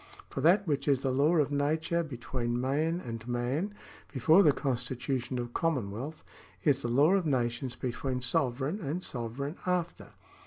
For that which is the law of nature between man and man, before the constitution of commonwealth, is the law of nations between sovereign and sovereign after."